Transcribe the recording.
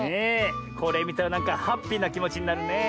これみたらなんかハッピーなきもちになるねえ。